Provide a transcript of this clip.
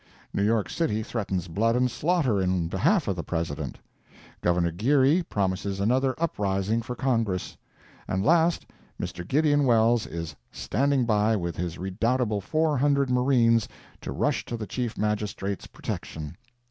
New York city threatens blood and slaughter in behalf of the President. Gov. Geary promises another uprising for Congress. And last, Mr. Gideon Welles is "standing by" with his redoubtable four hundred marines to rush to the Chief Magistrate's protection.